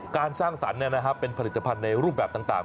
การสร้างสันเนี่ยนะครับเป็นผลิตภัณฑ์ในรูปแบบต่าง